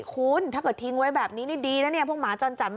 คุณถ้าเกิดทิ้งไว้แบบนี้ดีนะพวกหมาจอนจันทร์